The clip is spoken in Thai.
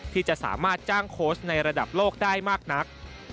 ที่จะสามารถจ้างโค้ชในระดับโลกได้มากนัก